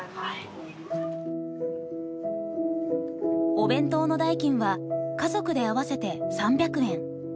お弁当の代金は家族で合わせて３００円。